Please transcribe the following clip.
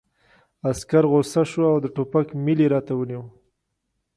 عسکر غوسه شو او د ټوپک میل یې راته ونیو